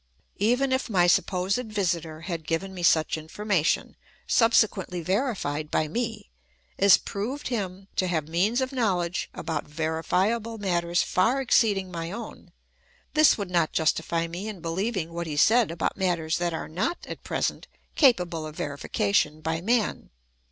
Even if my supposed visitor had given me such in formation, subsequently verified by me, as j^roved him THE ETHICS OF BELIEF. 193 to have means of knowledge about verifiable matters far exceeding my own ; this would not justify me in beHeving what he said about matters that are not at present capable of verification by man.